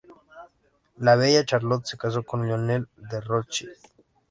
La bella Charlotte se casó con Lionel de Rothschild.